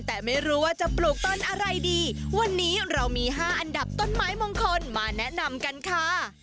แต่ไม่รู้ว่าจะปลูกต้นอะไรดีวันนี้เรามี๕อันดับต้นไม้มงคลมาแนะนำกันค่ะ